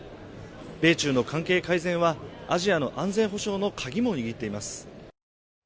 米中の関係改善はアジアの安全保障のカギも握っています。